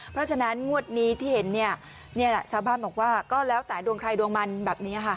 เพราะฉะนั้นงวดนี้ที่เห็นเนี่ยนี่แหละชาวบ้านบอกว่าก็แล้วแต่ดวงใครดวงมันแบบนี้ค่ะ